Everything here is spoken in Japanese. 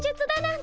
ん？